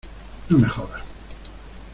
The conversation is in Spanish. no me jodas.